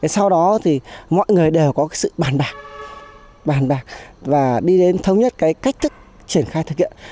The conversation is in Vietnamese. sau đó thì mọi người đều có sự bàn bạc bàn bạc và đi đến thống nhất cái cách thức triển khai thực hiện